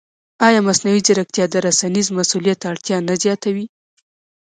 ایا مصنوعي ځیرکتیا د رسنیز مسؤلیت اړتیا نه زیاتوي؟